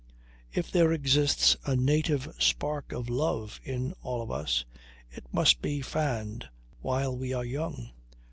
If there exists a native spark of love in all of us, it must be fanned while we are young.